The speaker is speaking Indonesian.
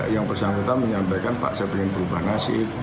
yang bersama kita menyampaikan pak saya pengen berubah nasib